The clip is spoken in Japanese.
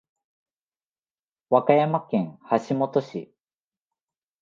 和歌山県橋本市